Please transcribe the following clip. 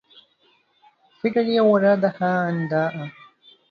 فِكَري أو أردَّها أنضاءَ